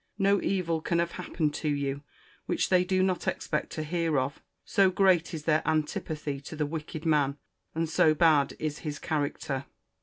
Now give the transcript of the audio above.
No evil can have happened to you, which they do not expect to hear of; so great is their antipathy to the wicked man, and so bad is his character.